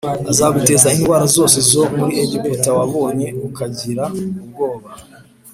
Azaguteza indwara zose zo muri Egiputa wabonye ukagira ubwoba,